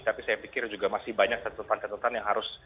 tapi saya pikir juga masih banyak catatan catatan yang harus